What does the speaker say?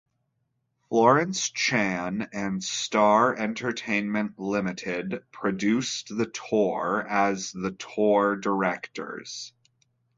Florence Chan and Star Entertainment Limited produced the tour as the tour directors.